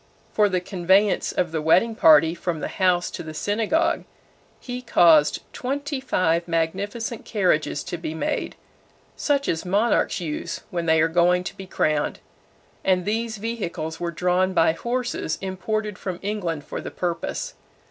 For the conveyance of the wedding party from the house to the synagogue, he caused twenty five magnificent carriages to be made, such as monarchs use when they are going to be crowned, and these vehicles were drawn by horses imported from England for the purpose.